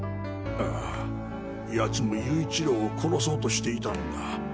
ああ奴も勇一郎を殺そうとしていたんだ。